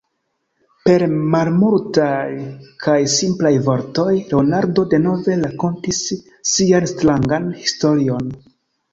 Per malmultaj kaj simplaj vortoj Leonardo denove rakontis sian strangan historion.